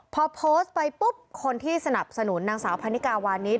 พอโพสต์ไปปุ๊บคนที่สนับสนุนนางสาวพันนิกาวานิส